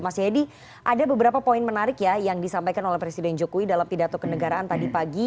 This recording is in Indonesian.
mas jayadi ada beberapa poin menarik ya yang disampaikan oleh presiden jokowi dalam pidato kenegaraan tadi pagi